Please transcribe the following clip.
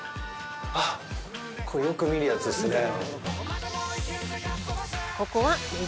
あっ、これ、よく見るやつですね。